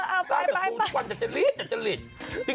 เออเอาไปไปไปบ้างจัดจริตจัดจริต